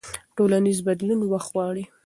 ټولنیز بدلون وخت غواړي.